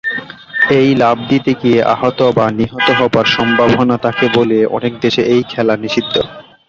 এই লাফ দিতে গিয়ে আহত বা নিহত হবার সম্ভাবনা থাকে বলে অনেক দেশে এই খেলা নিষিদ্ধ।